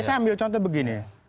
saya ambil contoh begini